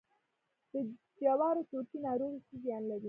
د جوارو تورکي ناروغي څه زیان لري؟